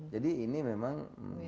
jadi ini memang